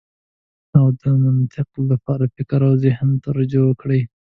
او د منطق لپاره فکر او زهن ته رجوع وکړئ.